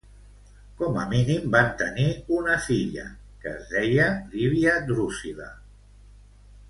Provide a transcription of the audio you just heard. Com a mínim van tenir una filla, que es deia Lívia Drusil·la.